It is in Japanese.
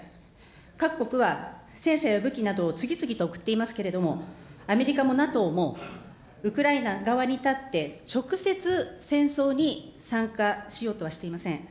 各国は、戦車や武器などを次々と送っていますけれども、アメリカもＮＡＴＯも、ウクライナ側に立って、直接戦争に参加しようとはしていません。